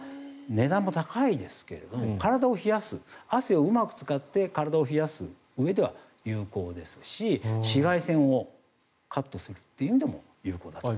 値段も高いですけれども体を冷やす、汗をうまく使って体を冷やすうえでは有効ですし紫外線をカットするという意味でも有効だと。